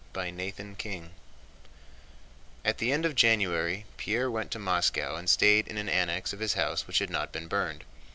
CHAPTER XV At the end of January Pierre went to Moscow and stayed in an annex of his house which had not been burned.